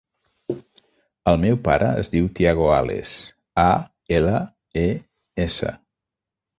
El meu pare es diu Thiago Ales: a, ela, e, essa.